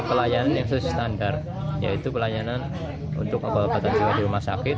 pelayanan yang sesuai standar yaitu pelayanan untuk obat obatan jiwa di rumah sakit